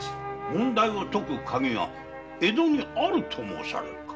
問題を解く鍵が江戸にあると申されるのか？